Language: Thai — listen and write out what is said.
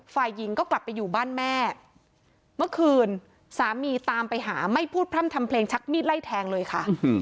ฝ่ายหญิงก็กลับไปอยู่บ้านแม่เมื่อคืนสามีตามไปหาไม่พูดพร่ำทำเพลงชักมีดไล่แทงเลยค่ะ